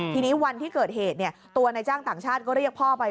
ทีนี้วันที่เกิดเหตุตัวนายจ้างต่างชาติก็เรียกพ่อไป